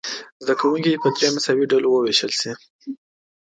زده کوونکي دې دریو مساوي ډلو وویشل شي.